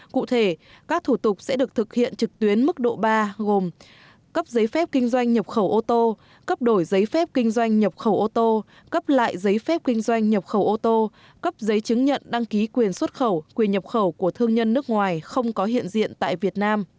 cụ thể các thủ tục sẽ được thực hiện trực tuyến mức độ ba gồm cấp giấy phép kinh doanh nhập khẩu ô tô cấp đổi giấy phép kinh doanh nhập khẩu ô tô cấp lại giấy phép kinh doanh nhập khẩu ô tô cấp giấy chứng nhận đăng ký quyền xuất khẩu quyền nhập khẩu của thương nhân nước ngoài không có hiện diện tại việt nam